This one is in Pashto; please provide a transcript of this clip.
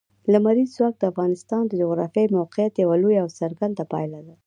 لمریز ځواک د افغانستان د جغرافیایي موقیعت یوه لویه او څرګنده پایله ده.